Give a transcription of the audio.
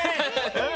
うん！